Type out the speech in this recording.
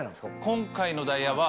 今回のダイヤは。